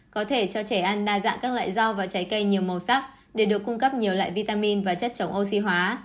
có thể cho trẻ ăn đa dạng các loại rau và trái cây nhiều màu sắc để được cung cấp nhiều loại vitamin và chất chống oxy hóa